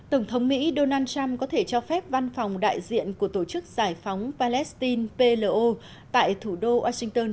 tổng thống mỹ donald trump có thể cho phép văn phòng đại diện của tổ chức giải phóng palestine plo tại thủ đô washington